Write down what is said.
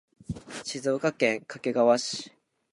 静岡県掛川市